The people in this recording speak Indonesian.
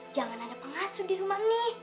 jangan ada pengasuh di rumah nih